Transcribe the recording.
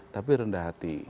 tapi rendah hati